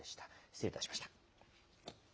失礼いたしました。